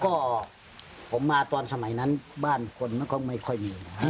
ก็ผมมาตอนสมัยนั้นบ้านคนไม่ค่อยมีนะครับ